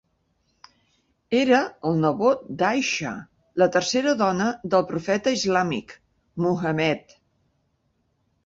Era el nebot d'Aisha, la tercera dona del profeta islàmic, Muhammad.